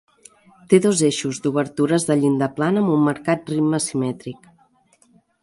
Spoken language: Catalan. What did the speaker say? Té dos eixos d'obertures de llinda plana amb un marcat ritme simètric.